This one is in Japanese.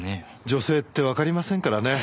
女性ってわかりませんからね。